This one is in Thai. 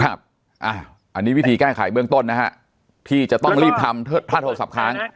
อันนี้วิธีสยดยอดติดต้องรีบทำผ้าโทรศัพท์ห้าง